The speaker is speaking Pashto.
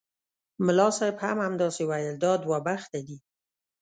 ملا صاحب هم همداسې ویل دا دوه بخته دي.